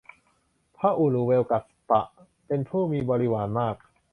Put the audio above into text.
พระอุรุเวลกัสสปะ เป็นผู้มีบริวารมาก